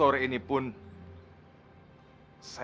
mengalami tidak understand